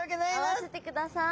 会わせてください。